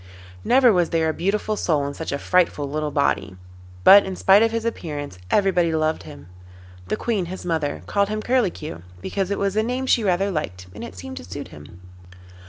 Never was there a beautiful soul in such a frightful little body, but in spite of his appearance everybody loved him. The Queen, his mother, called him Curlicue, because it was a name she rather liked, and it seemed to suit him.